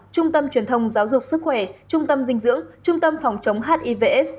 trung tâm truyền thông giáo dục sức khỏe trung tâm dinh dưỡng trung tâm phòng chống hivs